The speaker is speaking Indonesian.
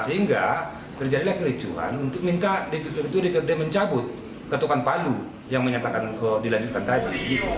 sehingga terjadilah kericuan untuk minta dprd mencabut ketukan palu yang dilanjutkan tadi